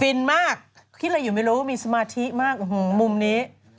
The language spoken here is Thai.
ฟินมากคิดอะไรอยู่ไม่รู้ว่ามีสมาธิมากมุมนี้